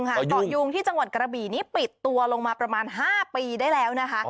เกาะยุงที่จังหวัดกระบี่นี้ปิดตัวลงมาประมาณ๕ปีได้แล้วนะคะ